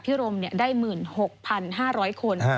พิธีรมได้๑๖๕๐๐คน